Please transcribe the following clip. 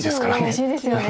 悔しいですよね。